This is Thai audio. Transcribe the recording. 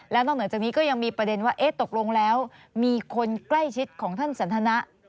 แล้วนอกเหนือจากนี้ก็ยังมีประเด็นว่าตกลงแล้วมีคนใกล้ชิดของท่านสันทนะ